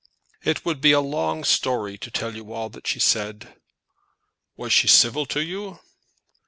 "It would be a long story to tell you all that she said." "Was she civil to you?"